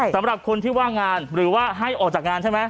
สำหรับคนที่ว่างงานหรือว่าให้ออกจากงานใช่ไหม